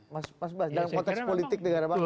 mas bas bas dalam konteks politik negara bangsa